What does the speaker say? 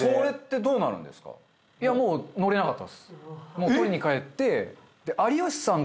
もう取りに帰って。